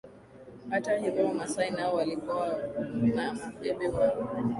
Hata hivyo Wamasai nao walikuwa na mbabe wao